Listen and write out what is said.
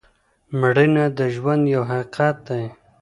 مړینه د ژوند یو حقیقت دی.